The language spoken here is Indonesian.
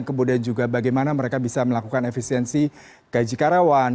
kemudian juga bagaimana mereka bisa melakukan efisiensi gaji karyawan